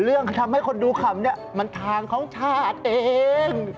เรื่องทำให้คนดูขำนี่มันทางของชาติเอง